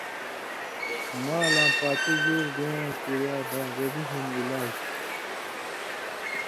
مالاں پاتُو زُور دے یاں کریا ڈاگݩڈی ہِن علاج